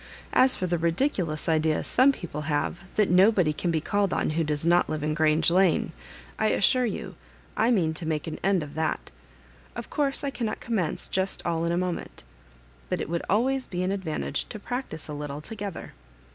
As for the ridiculous idea some people have that no body can be called on who does not live in Grange Lane, I assure you I mean to make an end of that Of course I cannot commence just all in a moment But it would always be an advantage to practise a little together.